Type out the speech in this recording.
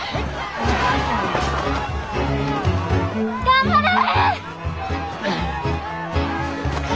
頑張れ！